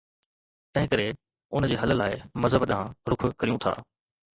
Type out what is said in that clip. تنهنڪري ان جي حل لاءِ مذهب ڏانهن رخ ڪريون ٿا.